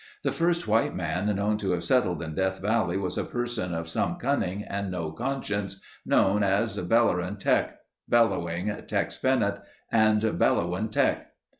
The first white man known to have settled in Death Valley was a person of some cunning and no conscience, known as Bellerin' Teck, Bellowing Tex Bennett, and Bellowin' Teck.